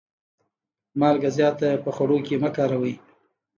مالګه زیاته په خوړو کي مه کاروئ.